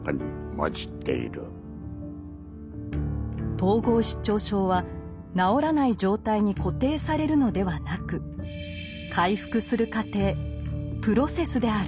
統合失調症は治らない「状態」に固定されるのではなく回復する「過程」プロセスである。